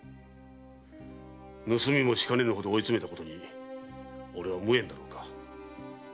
盗みもしかねんほど追い詰めたことに俺は無縁だろうか。